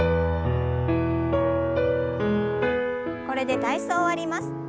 これで体操を終わります。